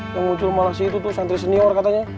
yang muncul malah si itu tuh santri senior katanya